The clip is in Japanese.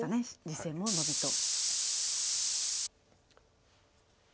実戦もノビと。